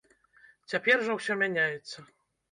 Цяпер жа ўсё мяняецца.